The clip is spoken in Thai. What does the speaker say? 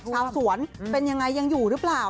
ชาวสวนเป็นยังไงยังอยู่หรือเปล่า